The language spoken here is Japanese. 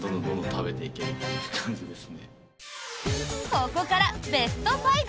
ここからベスト５。